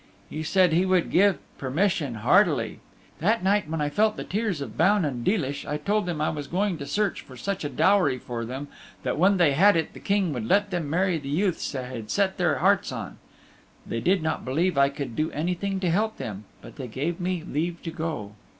He said he would give permission heartily. That night when I felt the tears of Baun and Deelish I told them I was going to search for such a dowry for them that when they had it the King would let them marry the youths they had set their hearts on. They did not believe I could do anything to help them, but they gave me leave to go.